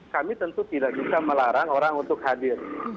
kami tentu tidak bisa melarang orang untuk hadir